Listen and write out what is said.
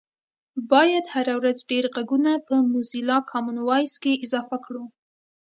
باید هره ورځ ډېر غږونه په موزیلا کامن وایس کې اضافه کړو